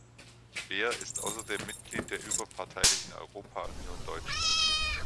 Beer ist außerdem Mitglied der überparteilichen Europa-Union Deutschland.